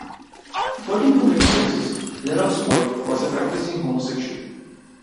According to many sources Lennox-Boyd was a practising homosexual.